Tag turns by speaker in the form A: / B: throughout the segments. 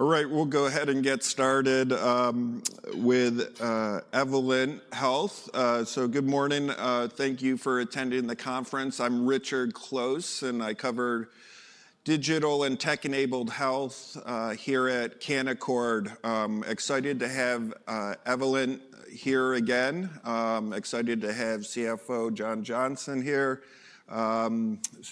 A: All right, we'll go ahead and get started with Evolent Health. Good morning. Thank you for attending the conference. I'm Richard Close and I cover digital and tech-enabled health here at Canaccord. Excited to have Evolent here again. Excited to have CFO John Johnson here. I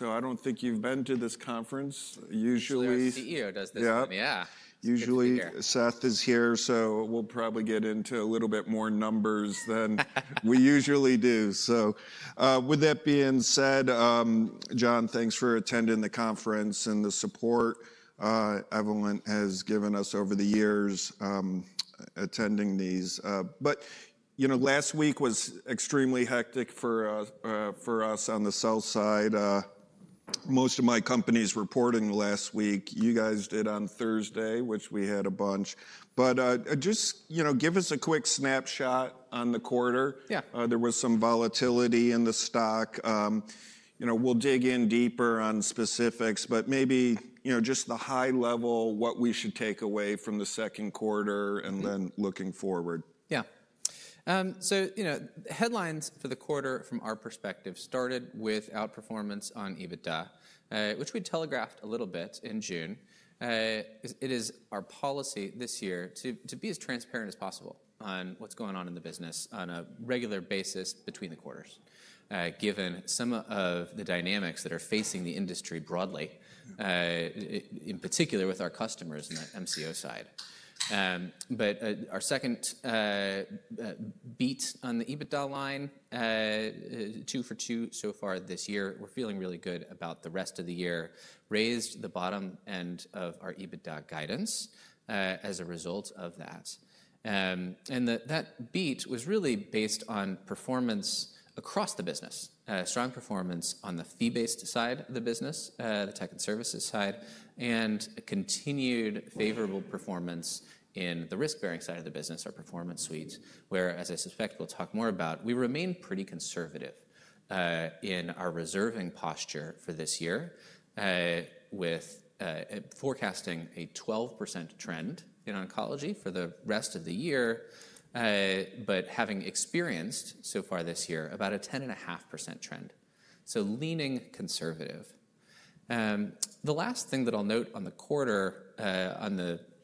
A: don't think you've been to this conference usually.
B: Every fifth year does this come.
A: Yeah, usually Seth is here, so we'll probably get into a little bit more numbers than we usually do. With that being said, John, thanks for attending the conference and the support Evolent has given us over the years attending these. Last week was extremely hectic for us on the sell side. Most of my company's reporting last week, you guys did on Thursday, which we had a bunch. Just, you know, give us a quick snapshot on the quarter.
B: Yeah.
A: There was some volatility in the stock. We'll dig in deeper on specifics, but maybe just the high level, what we should take away from the second quarter and then looking forward.
B: Yeah. The headlines for the quarter from our perspective started with outperformance on EBITDA, which we telegraphed a little bit in June. It is our policy this year to be as transparent as possible on what's going on in the business on a regular basis between the quarters, given some of the dynamics that are facing the industry broadly, in particular with our customers in the MCO side. Our second beat on the EBITDA line, two for two so far this year. We're feeling really good about the rest of the year, raised the bottom end of our EBITDA guidance as a result of that. That beat was really based on performance across the business, strong performance on the fee-based side of the business, the tech and services side, and a continued favorable performance in the risk-bearing side of the business, our Performance Suite, where, as I suspect we'll talk more about, we remain pretty conservative in our reserving posture for this year, with forecasting a 12% trend in oncology for the rest of the year, but having experienced so far this year about a 10.5% trend. Leaning conservative. The last thing that I'll note on the quarter, on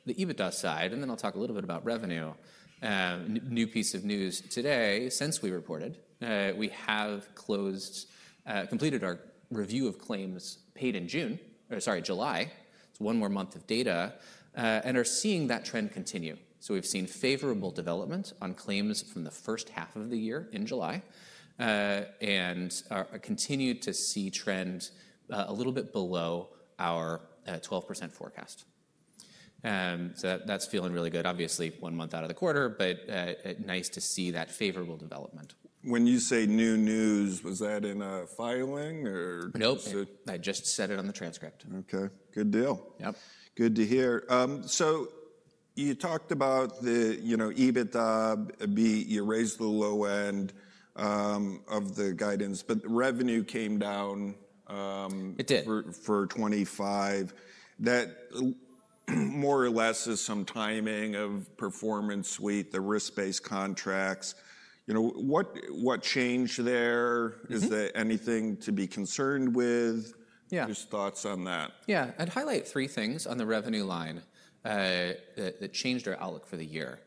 B: the EBITDA side, and then I'll talk a little bit about revenue, new piece of news today since we reported, we have closed, completed our review of claims paid in July. It's one more month of data, and are seeing that trend continue. We've seen favorable development on claims from the first half of the year in July, and continue to see trends a little bit below our 12% forecast. That's feeling really good. Obviously, one month out of the quarter, but nice to see that favorable development.
A: When you say new news, was that in a filing?
B: Nope, I just said it on the transcript.
A: Okay, good deal.
B: Yep.
A: Good to hear. You talked about the, you know, EBITDA beat, you raised the low end of the guidance, but revenue came down, it did for 2025. That more or less is some timing of Performance Suite, the risk-based contracts. You know, what changed there? Is there anything to be concerned with?
B: Yeah.
A: Just thoughts on that.
B: Yeah, I'd highlight three things on the revenue line that changed our outlook for the year.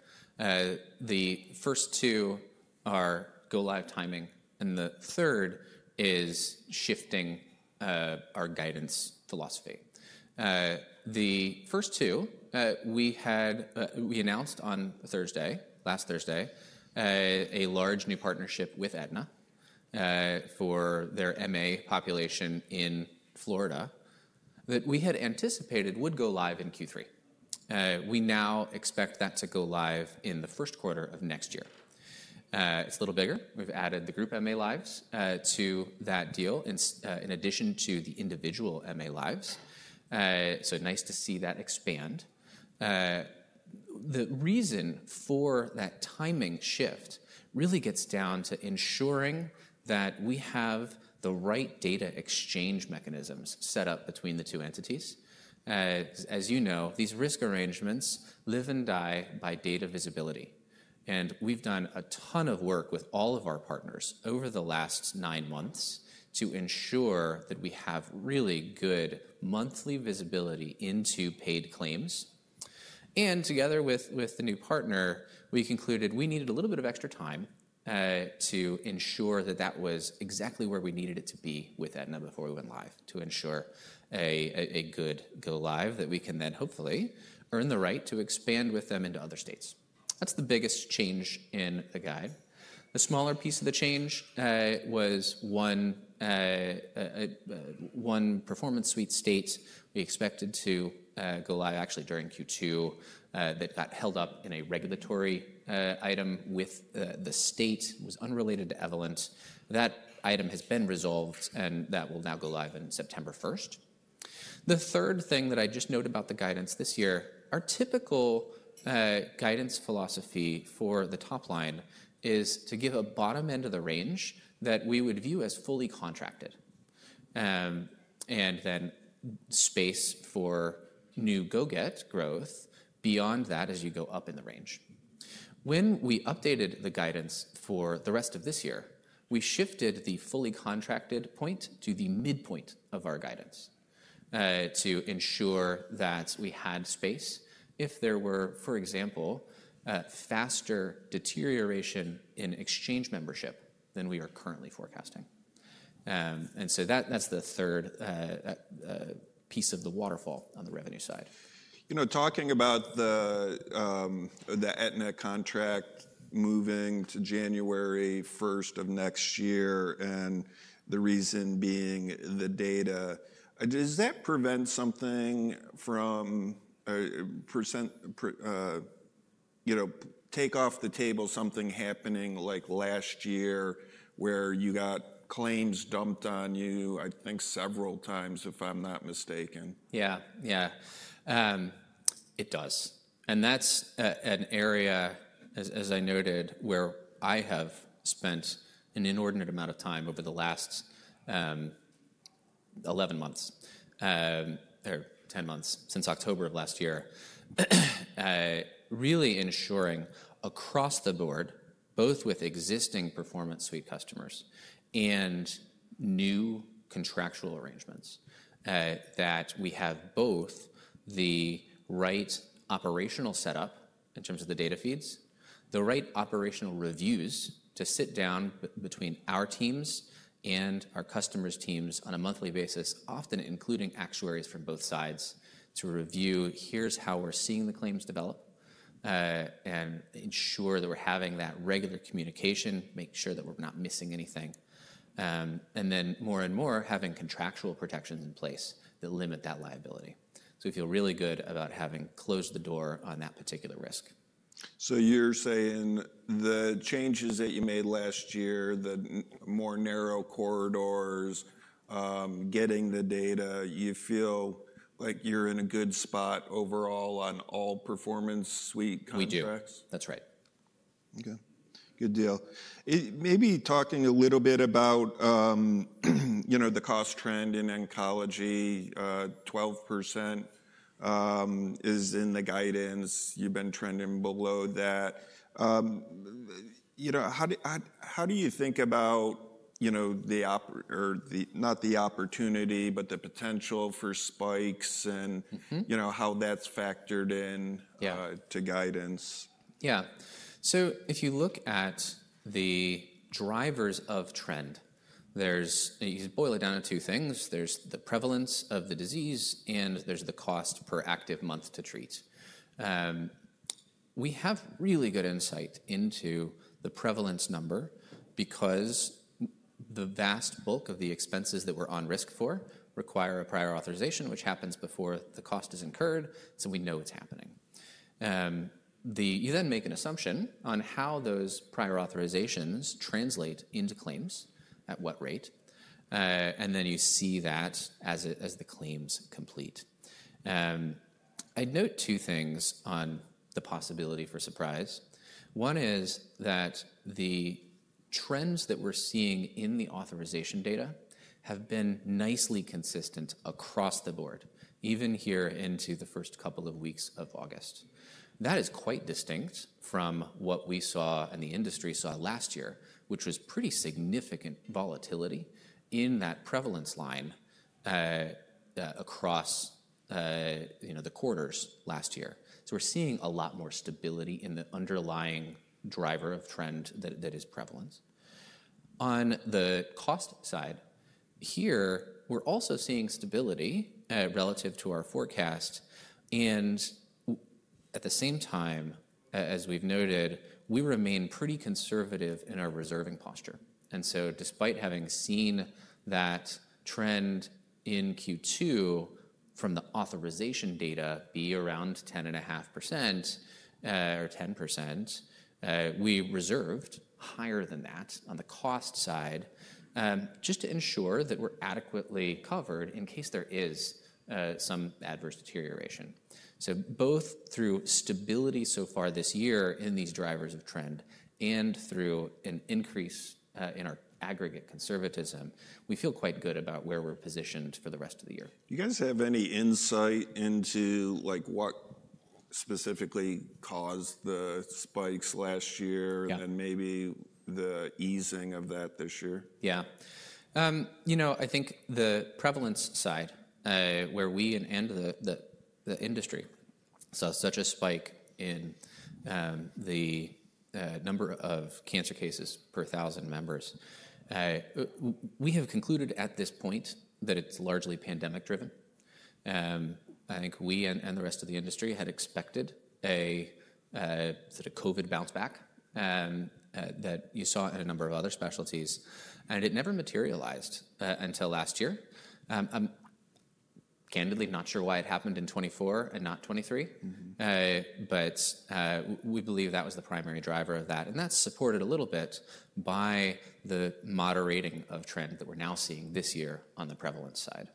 B: The first two are go live timing, and the third is shifting our guidance philosophy. The first two, we announced on Thursday, last Thursday, a large new partnership with Aetna for their MA population in Florida that we had anticipated would go live in Q3. We now expect that to go live in the First Quarter of next year. It's a little bigger. We've added the group MA lives to that deal, in addition to the individual MA lives, so nice to see that expand. The reason for that timing shift really gets down to ensuring that we have the right data exchange mechanisms set up between the two entities. As you know, these risk arrangements live and die by data visibility. We've done a ton of work with all of our partners over the last nine months to ensure that we have really good monthly visibility into paid claims. Together with the new partner, we concluded we needed a little bit of extra time to ensure that that was exactly where we needed it to be with Aetna before we went live to ensure a good go live that we can then hopefully earn the right to expand with them into other states. That's the biggest change in the guide. A smaller piece of the change was one Performance Suite state we expected to go live actually during Q2 that got held up in a regulatory item with the state, was unrelated to Evolent. That item has been resolved and that will now go live on September 1st. The third thing that I just note about the guidance this year, our typical guidance philosophy for the top line is to give a bottom end of the range that we would view as fully contracted, and then space for new go-get growth beyond that as you go up in the range. When we updated the guidance for the rest of this year, we shifted the fully contracted point to the midpoint of our guidance to ensure that we had space if there were, for example, a faster deterioration in exchange membership than we are currently forecasting. That’s the third piece of the waterfall on the revenue side.
A: You know, talking about the Aetna contract moving to January 1st of next year and the reason being the data, does that prevent something from, you know, take off the table something happening like last year where you got claims dumped on you, I think several times if I'm not mistaken.
B: Yeah, it does. That's an area, as I noted, where I have spent an inordinate amount of time over the last 11 months, or 10 months since October of last year, really ensuring across the board, both with existing Performance Suite customers and new contractual arrangements, that we have both the right operational setup in terms of the data feeds, the right operational reviews to sit down between our teams and our customers' teams on a monthly basis, often including actuaries from both sides to review, here's how we're seeing the claims develop, and ensure that we're having that regular communication, make sure that we're not missing anything. More and more, having contractual protections in place to limit that liability. We feel really good about having closed the door on that particular risk.
A: You're saying the changes that you made last year, the more narrow corridors, getting the data, you feel like you're in a good spot overall on all Performance Suite contracts?
B: We do. That's right.
A: Okay. Good deal. Maybe talking a little bit about the cost trend in oncology, 12% is in the guidance. You've been trending below that. How do you think about the opportunity, or not the opportunity, but the potential for spikes and how that's factored in to guidance?
B: Yeah. If you look at the drivers of trend, you boil it down to two things. There's the prevalence of the disease and there's the cost per active month to treat. We have really good insight into the prevalence number because the vast bulk of the expenses that we're on risk for require a prior authorization, which happens before the cost is incurred. We know it's happening. You then make an assumption on how those prior authorizations translate into claims, at what rate, and then you see that as the claims complete. I'd note two things on the possibility for surprise. One is that the trends that we're seeing in the authorization data have been nicely consistent across the board, even here into the first couple of weeks of August. That is quite distinct from what we saw and the industry saw last year, which was pretty significant volatility in that prevalence line across the quarters last year. We're seeing a lot more stability in the underlying driver of trend that is prevalence. On the cost side, we're also seeing stability relative to our forecast. At the same time, as we've noted, we remain pretty conservative in our reserving posture. Despite having seen that trend in Q2 from the authorization data be around 10.5% or 10%, we reserved higher than that on the cost side, just to ensure that we're adequately covered in case there is some adverse deterioration. Both through stability so far this year in these drivers of trend and through an increase in our aggregate conservatism, we feel quite good about where we're positioned for the rest of the year.
A: Do you guys have any insight into what specifically caused the spikes last year and maybe the easing of that this year?
B: Yeah, you know, I think the prevalence side, where we and the industry saw such a spike in the number of cancer cases per thousand members, we have concluded at this point that it's largely pandemic-driven. I think we and the rest of the industry had expected a sort of COVID bounce-back that you saw in a number of other specialties, and it never materialized until last year. I'm candidly not sure why it happened in 2024 and not 2023, but we believe that was the primary driver of that, and that's supported a little bit by the moderating of trend that we're now seeing this year on the prevalence side.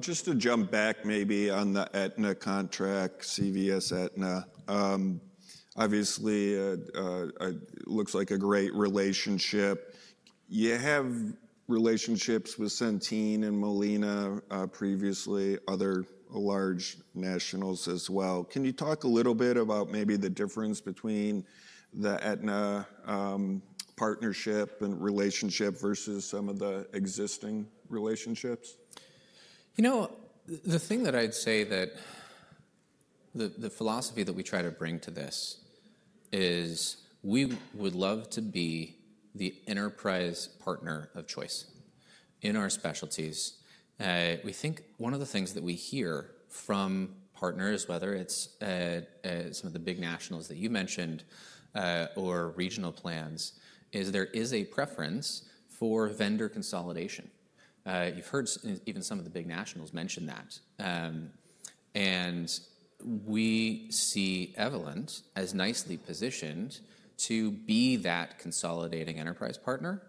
A: Just to jump back maybe on the Aetna contract, CVS Aetna, obviously, it looks like a great relationship. You have relationships with Centene and Molina, previously, other large nationals as well. Can you talk a little bit about maybe the difference between the Aetna partnership and relationship versus some of the existing relationships?
B: The thing that I'd say, the philosophy that we try to bring to this, is we would love to be the enterprise partner of choice in our specialties. We think one of the things that we hear from partners, whether it's some of the big nationals that you mentioned or regional plans, is there is a preference for vendor consolidation. You've heard even some of the big nationals mention that. We see Evolent as nicely positioned to be that consolidating enterprise partner,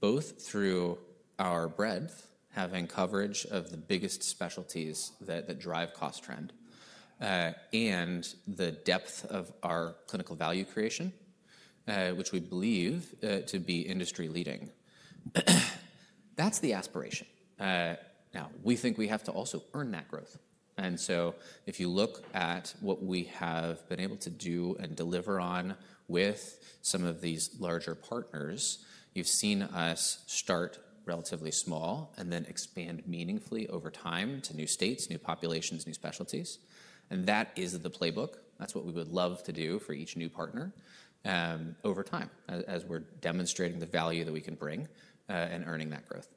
B: both through our breadth, having coverage of the biggest specialties that drive cost trend, and the depth of our clinical value creation, which we believe to be industry leading. That's the aspiration. We think we have to also earn that growth. If you look at what we have been able to do and deliver on with some of these larger partners, you've seen us start relatively small and then expand meaningfully over time to new states, new populations, new specialties. That is the playbook. That's what we would love to do for each new partner over time as we're demonstrating the value that we can bring and earning that growth.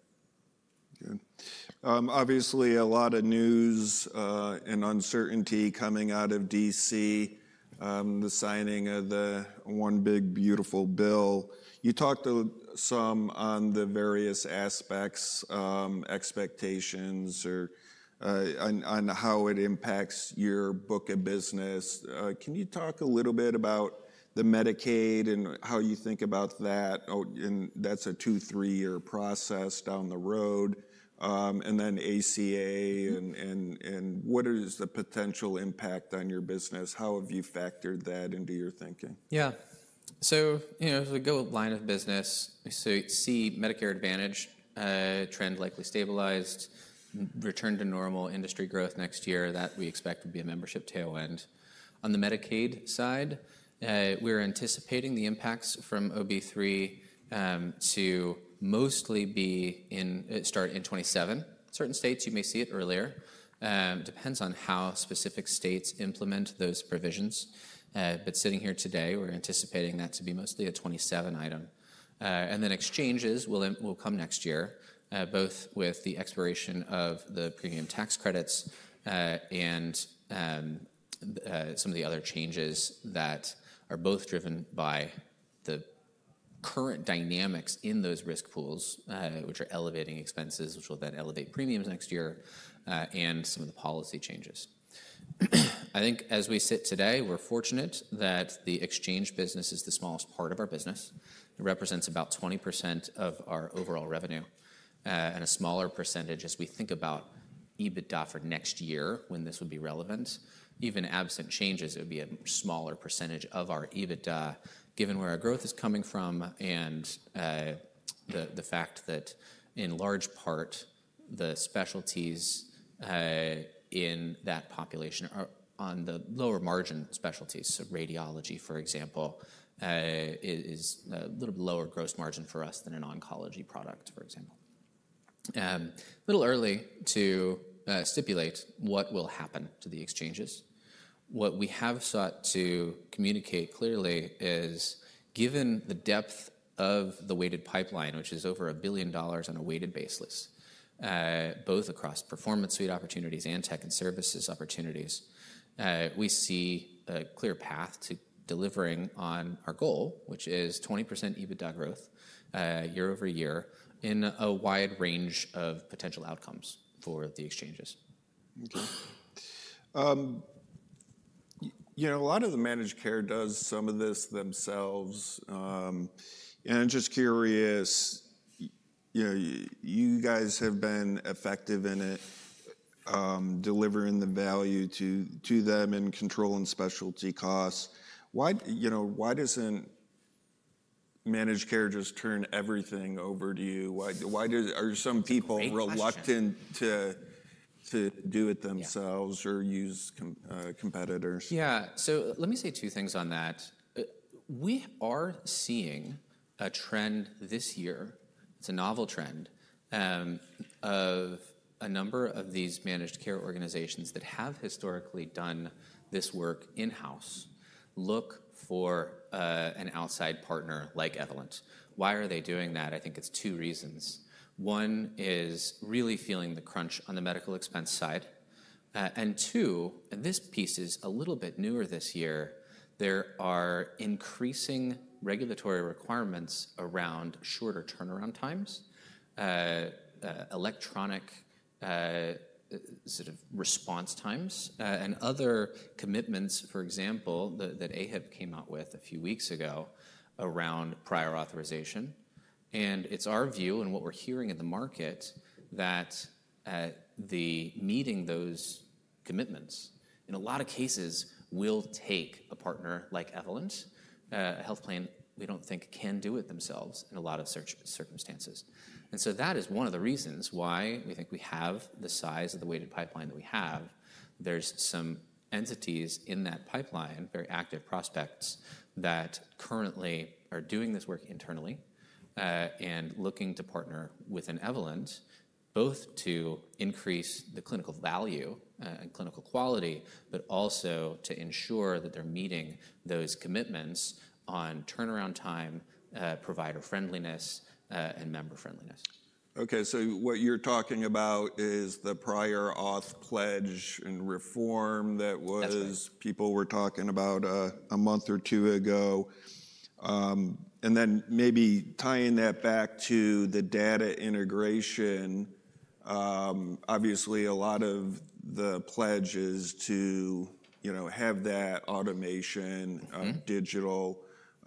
A: Obviously a lot of news and uncertainty coming out of D.C., the signing of the one big beautiful bill. You talked to some on the various aspects, expectations, or on how it impacts your book of business. Can you talk a little bit about the Medicaid and how you think about that? Oh, and that's a two, three-year process down the road. Then ACA and what is the potential impact on your business? How have you factored that into your thinking?
B: Yeah. As we go line of business, we see Medicare Advantage, trend likely stabilized, return to normal industry growth next year that we expect would be a membership tailwind. On the Medicaid side, we're anticipating the impacts from OB3 to mostly be in, start in 2027. Certain states you may see it earlier. It depends on how specific states implement those provisions. Sitting here today, we're anticipating that to be mostly a 2027 item. Exchanges will come next year, both with the expiration of the premium tax credits and some of the other changes that are both driven by the current dynamics in those risk pools, which are elevating expenses, which will then elevate premiums next year, and some of the policy changes. I think as we sit today, we're fortunate that the exchange business is the smallest part of our business. It represents about 20% of our overall revenue, and a smaller percentage as we think about EBITDA for next year when this would be relevant. Even absent changes, it would be a smaller percentage of our EBITDA given where our growth is coming from and the fact that in large part the specialties in that population are on the lower margin specialties. Radiology, for example, is a little bit lower gross margin for us than an oncology product, for example. It's a little early to stipulate what will happen to the exchanges. What we have sought to communicate clearly is given the depth of the weighted pipeline, which is over $1 billion on a weighted basis, both across Performance Suite opportunities and Technology and Services Suite opportunities, we see a clear path to delivering on our goal, which is 20% EBITDA growth year-over-year in a wide range of potential outcomes for the exchanges.
A: Okay, you know, a lot of the managed care does some of this themselves. I'm just curious, you know, you guys have been effective in it, delivering the value to them and controlling specialty costs. Why, you know, why doesn't managed care just turn everything over to you? Why are some people reluctant to do it themselves or use competitors?
B: Yeah, so let me say two things on that. We are seeing a trend this year. It's a novel trend, of a number of these managed care organizations that have historically done this work in-house, look for an outside partner like Evolent. Why are they doing that? I think it's two reasons. One is really feeling the crunch on the medical expense side. Two, and this piece is a little bit newer this year, there are increasing regulatory requirements around shorter turnaround times, electronic, sort of response times, and other commitments, for example, that AHIP came out with a few weeks ago around prior authorization. It's our view and what we're hearing in the market that meeting those commitments in a lot of cases will take a partner like Evolent. A health plan, we don't think, can do it themselves in a lot of circumstances. That is one of the reasons why we think we have the size of the weighted pipeline that we have. There's some entities in that pipeline, very active prospects that currently are doing this work internally and looking to partner with an Evolent, both to increase the clinical value and clinical quality, but also to ensure that they're meeting those commitments on turnaround time, provider friendliness, and member friendliness.
A: Okay, so what you're talking about is the prior authorization pledge and reform that people were talking about a month or two ago, and then maybe tying that back to the data integration. Obviously, a lot of the pledges to, you know, have that automation, digital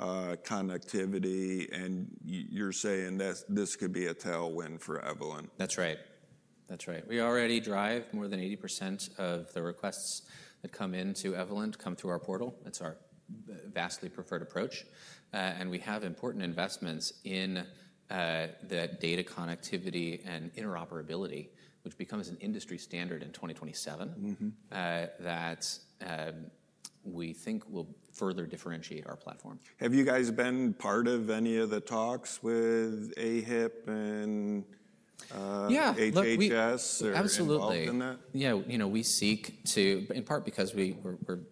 A: connectivity, and you're saying that this could be a tailwind for Evolent.
B: That's right. That's right. We already drive more than 80% of the requests that come into Evolent come through our portal. That's our vastly preferred approach, and we have important investments in the data connectivity and interoperability, which becomes an industry standard in 2027, that we think will further differentiate our platform.
A: Have you guys been part of any of the talks with AHIP and HHS?
B: Yeah, absolutely. You know, we seek to, in part because we're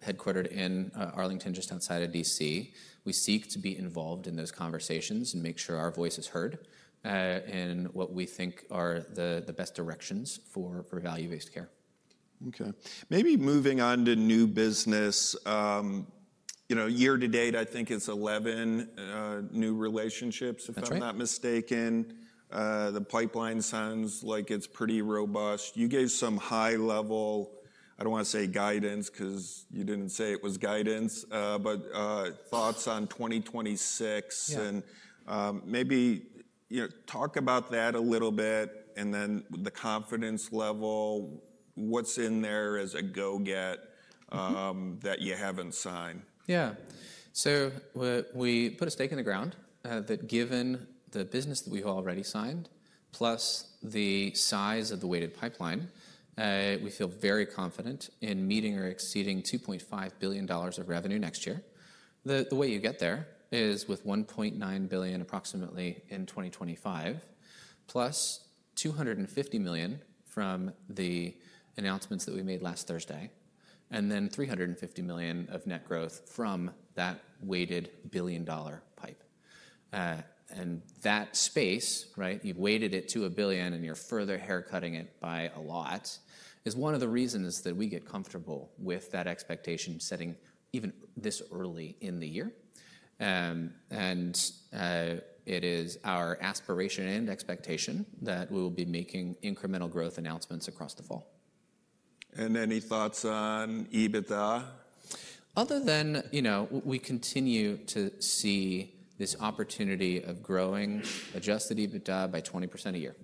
B: headquartered in Arlington, just outside of D.C., we seek to be involved in those conversations and make sure our voice is heard, and what we think are the best directions for value-based care.
A: Okay, maybe moving on to new business. You know, year to date, I think it's 11 new relationships, if I'm not mistaken. The pipeline sounds like it's pretty robust. You gave some high level, I don't want to say guidance because you didn't say it was guidance, but thoughts on 2026 and maybe, you know, talk about that a little bit and then the confidence level, what's in there as a go-get that you haven't signed?
B: Yeah, we put a stake in the ground that given the business that we've already signed, plus the size of the weighted pipeline, we feel very confident in meeting or exceeding $2.5 billion of revenue next year. The way you get there is with approximately $1.9 billion in 2025, +$250 million from the announcements that we made last Thursday, and then $350 million of net growth from that weighted billion-dollar pipe. In that space, you've weighted it to a billion and you're further haircutting it by a lot, which is one of the reasons that we get comfortable with that expectation setting even this early in the year. It is our aspiration and expectation that we will be making incremental growth announcements across the fall.
A: have any thoughts on EBITDA?
B: Other than, you know, we continue to see this opportunity of growing adjusted EBITDA by 20% a year,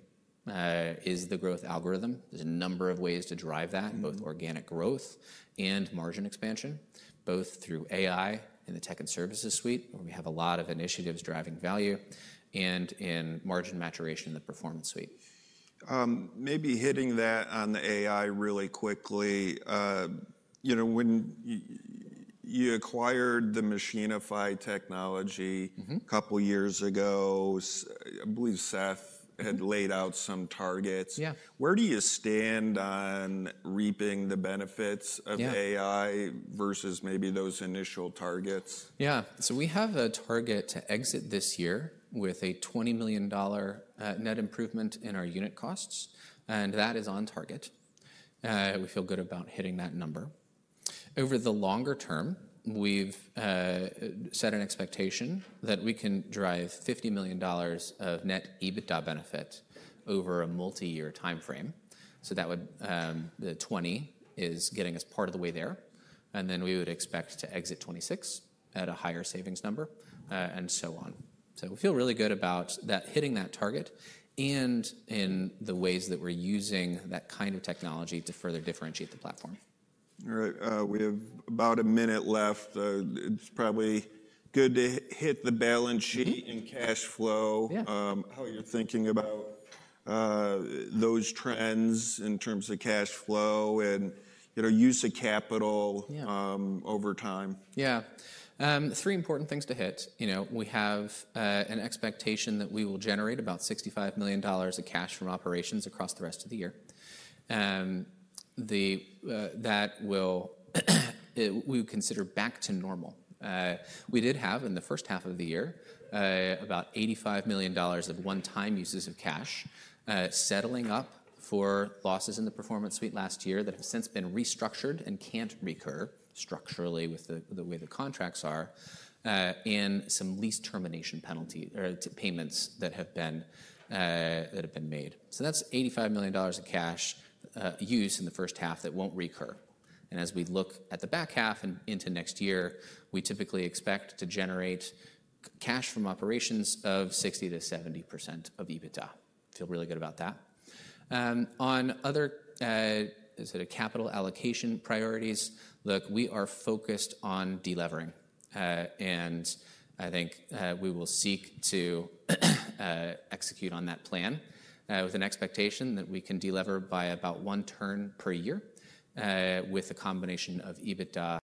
B: is the growth algorithm. There's a number of ways to drive that, both organic growth and margin expansion, both through AI and the Technology and Services Suite, where we have a lot of initiatives driving value, and in margin maturation in the Performance Suite.
A: Maybe hitting that on the AI really quickly. You know, when you acquired the Machinify technology a couple of years ago, I believe Seth had laid out some targets. Yeah. Where do you stand on reaping the benefits of AI versus maybe those initial targets?
B: Yeah, so we have a target to exit this year with a $20 million net improvement in our unit costs, and that is on target. We feel good about hitting that number. Over the longer term, we've set an expectation that we can drive $50 million of net EBITDA benefits over a multi-year timeframe. The $20 million is getting us part of the way there, and we would expect to exit 2026 at a higher savings number, and so on. We feel really good about hitting that target and in the ways that we're using that kind of technology to further differentiate the platform.
A: All right. We have about a minute left. It's probably good to hit the balance sheet and cash flow. How you're thinking about those trends in terms of cash flow and, you know, use of capital over time.
B: Yeah. Three important things to hit. You know, we have an expectation that we will generate about $65 million of cash from operations across the rest of the year. That will, we consider back to normal. We did have in the first half of the year about $85 million of one-time uses of cash, settling up for losses in the Performance Suite last year that have since been restructured and can't recur structurally with the way the contracts are, and some lease termination penalties or payments that have been made. That's $85 million of cash use in the first half that won't recur. As we look at the back half and into next year, we typically expect to generate cash from operations of 60%-70% of EBITDA. Feel really good about that. On other sort of capital allocation priorities, look, we are focused on delevering. I think we will seek to execute on that plan, with an expectation that we can delever by about one turn per year, with a combination of EBITDA.